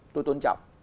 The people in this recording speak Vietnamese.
tôi tôn trọng